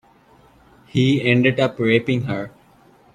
He ended up raping her.